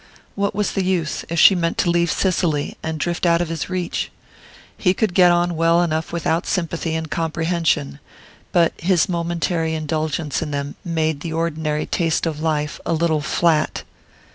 What was the use, if she meant to leave Cicely, and drift out of his reach? He could get on well enough without sympathy and comprehension, but his momentary indulgence in them made the ordinary taste of life a little flat.